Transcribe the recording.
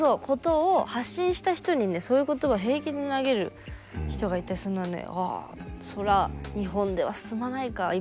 ことを発信した人にねそういう言葉を平気で投げる人がいてそういうのはねああそれは日本では進まないか